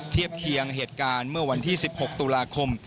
เทียบเคียงเหตุการณ์เมื่อวันที่๑๖ตุลาคม